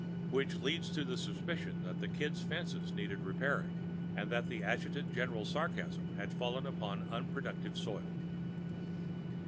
Which leads to a suspicion that the Kid's fences needed repairing, and that the adjutant general's sarcasm had fallen upon unproductive soil.